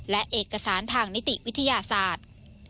และเอกสารทางนิติวิทยาศาสตร์